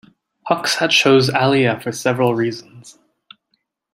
Hoxha chose Alia for several reasons.